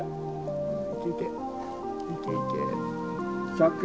１００。